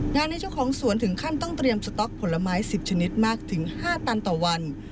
งานนี้เจ้าของสวนถึงขั้นต้องเตรียมสต๊อกผลไม้๑๐ชนิดมากถึง๕ตันต่อวัน